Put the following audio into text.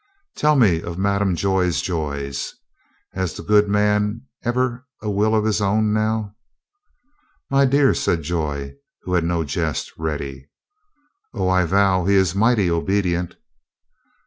"Tell me of Madame Joy's joys. Has the good man ever a will of his own now?" "My dear!" said Joy, who had no jest ready. "O, I vow he is mighty obedient."